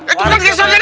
itu kan pingsan benar